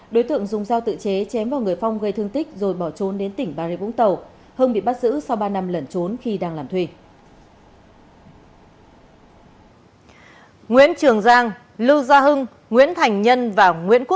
đối tượng dùng dao tự chế chém vào người phong gây thương tích rồi bỏ trốn đến tỉnh bà rê vũng tàu